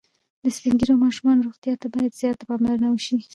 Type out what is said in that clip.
د سپین ږیرو او ماشومانو روغتیا ته باید زیاته پاملرنه وشي.